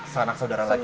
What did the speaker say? seanak saudara lagi